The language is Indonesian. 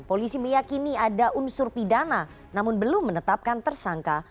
polisi meyakini ada unsur pidana namun belum menetapkan tersangka